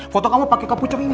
foto kamu pake kepucuk ini